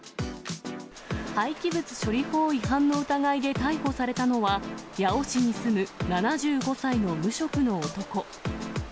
廃棄物処理法違反の疑いで逮捕されたのは、八尾市に住む７５歳の無職の男。